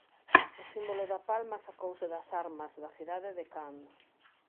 O símbolo da palma sacouse das armas da cidade de Cannes.